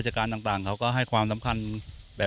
ชาวนาในพื้นที่เข้ารวมกลุ่มและสร้างอำนาจต่อรองได้